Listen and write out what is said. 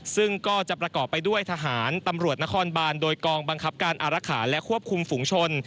ซึ่งก็จะประกอบไปด้วยทหารตำรวจนครบานโดยกองบังคับการอารักษาและควบคุมฝุงชน